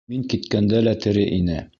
Мин киткәндә лә тере ине.